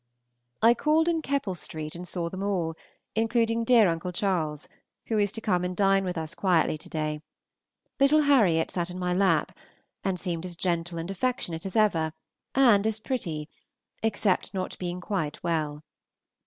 I called in Keppel Street and saw them all, including dear Uncle Charles, who is to come and dine with us quietly to day. Little Harriot sat in my lap, and seemed as gentle and affectionate as ever, and as pretty, except not being quite well.